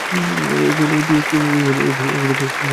ওগুলো দিয়ে করিস কী তুই?